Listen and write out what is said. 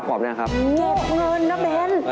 เก็บเงินนะเบ้น